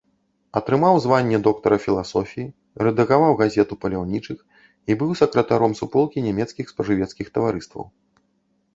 Атрымаў званне доктара філасофіі, рэдагаваў газету паляўнічых і быў сакратаром суполкі нямецкіх спажывецкіх таварыстваў.